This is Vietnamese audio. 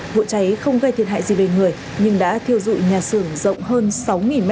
vụ cháy không gây thiệt hại gì về người nhưng đã thiêu dụi nhà xưởng rộng hơn sáu m hai